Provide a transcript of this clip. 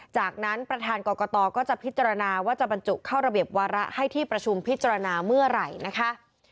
จากนั้นประธานกรกตก็จะพิจารณาว่าจะบรรจุเข้าระเบียบวาระให้ที่ประชุมพิจารณาเมื่อไหร่นะคะ